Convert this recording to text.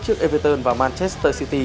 trước everton và manchester city